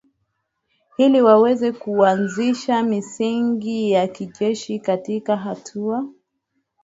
ili waweze kuanzisha misingi ya kijeshi katika Hatua